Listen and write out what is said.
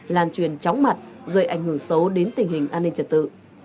lan truyền chóng mặt gây ảnh hưởng xấu đến tình hình an ninh trật tự